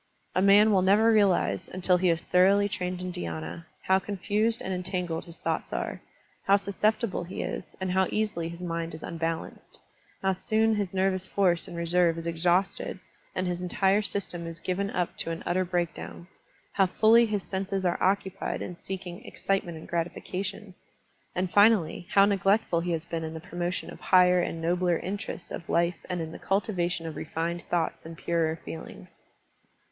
A man will never realize, tmtil he is thoroughly trained in dhy^na, how confused and entangled bis thoughts are, how susceptible he is and how Digitized by Google PRACTICE OF DHYANA 159 easily his mind is unbalanced, how soon his nervous force in reserve is exhausted and his entire system is given up to an utter breakdown, how fully his senses are occupied in seeking excitement and gratification, and finally how neglectful he has been in the promotion of higher and nobler interests of life and in the ctdtivation of refined thoughts and purer feelings.